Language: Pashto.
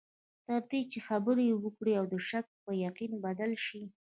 تر دې چې خبرې وکړې او د شک په یقین بدل شي.